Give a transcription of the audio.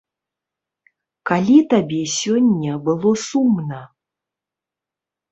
Калі табе сёння было сумна?